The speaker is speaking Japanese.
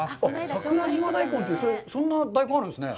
桜島大根って、そんな大根、あるんですね？